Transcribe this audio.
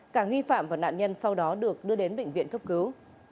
cả nghi phạm và nạn nhân sau đó được đưa đến bệnh viện cấp cứu